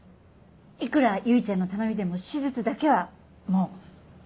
いくら唯ちゃんの頼みでも手術だけはもう。